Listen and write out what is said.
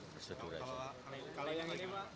kalau kali ini pak